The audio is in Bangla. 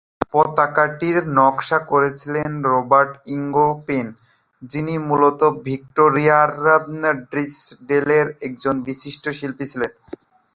পতাকাটির নকশা করেছিলেন রবার্ট ইঙ্গপেন, যিনি মূলত ভিক্টোরিয়ার ড্রিসডেলের একজন বিশিষ্ট শিল্পী ছিলেন।